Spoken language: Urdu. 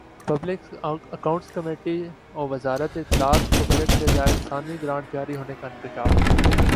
پبلک اکانٹس کمیٹیوزارت اطلاعات کو بجٹ سے زائد ثانوی گرانٹ جاری ہونے کا انکشاف